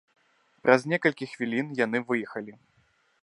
Праз некалькі хвілін яны выехалі.